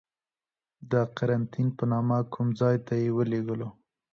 د قرنتین په نامه کوم ځای ته یې ولیږلو.